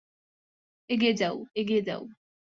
এগিয়ে যাও, এগিয়ে যাও।